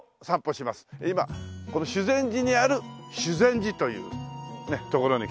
今この修善寺にある修禅寺という所に来てます。